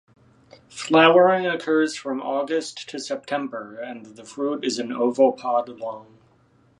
Flowering occurs from August to September and the fruit is an oval pod long.